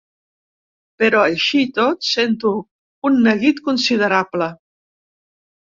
Però així i tot sento un neguit considerable.